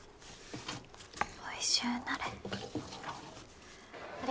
おいしゅうなれ。